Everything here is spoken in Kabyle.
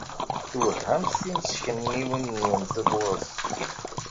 Twehhamt timeskenwin-nwent ɣur-s.